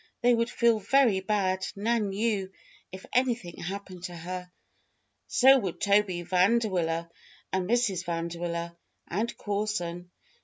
They would feel very bad, Nan knew, if anything happened to her. So would Toby Vanderwiller and Mrs. Vanderwiller and Corson.